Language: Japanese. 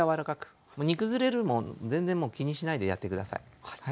煮崩れるも全然もう気にしないでやって下さい。